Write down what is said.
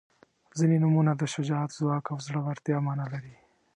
• ځینې نومونه د شجاعت، ځواک او زړورتیا معنا لري.